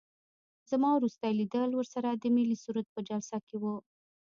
زما وروستی لیدل ورسره د ملي سرود په جلسه کې وو.